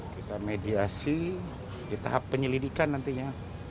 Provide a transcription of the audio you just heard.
kita mediasi di tahap penyelidikan nantinya